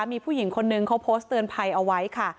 มีผู้หญิงคนนึงเขาโพสต์เตือนภัยเอาไว้ค่ะ